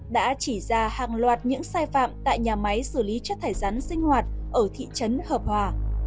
đã chỉ ra hàng loạt những sai phạm tại nhà máy xử lý chất thải rắn sinh hoạt ở thị trấn hợp hòa